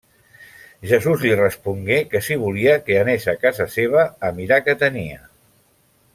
Jesús li respongué que si volia que anés a casa seva a mirar què tenia.